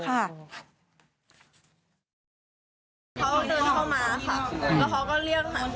เขาเดินเข้ามาค่ะแล้วเขาก็เรียกทาง